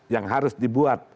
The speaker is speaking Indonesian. yang harus dibuat